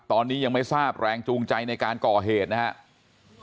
ตอนนี้ยังไม่ทราบแรงจูงใจในการก่อเหตุนะครับ